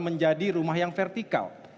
menjadi rumah yang vertikal